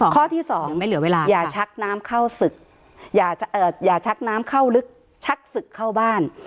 ข้อที่สองอย่าชักน้ำเข้าศึกอย่าชักน้ำเข้าลึกชักศึกเข้าบ้าน